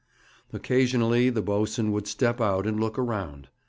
Occasionally the boatswain would step out and look around.